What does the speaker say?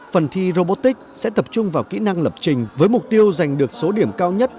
phần thi robotics sẽ tập trung vào kỹ năng lập trình với mục tiêu giành được số điểm cao nhất